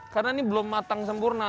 karena ini belum matang sempurna